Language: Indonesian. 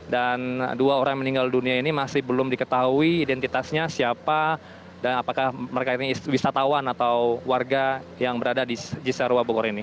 dan dua orang meninggal dunia ini masih belum diketahui identitasnya siapa dan apakah mereka ini wisatawan atau warga yang berada di cesarwa bogor ini